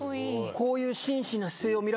こういう。